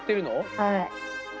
はい。